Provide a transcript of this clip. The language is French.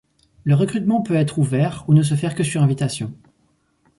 Le recrutement peut être ouvert ou ne se faire que sur invitation.